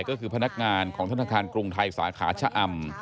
ก็คือพนักงานของธนาคารกรุงไทยสาขาชะอำ